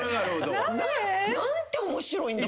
何て面白いんだ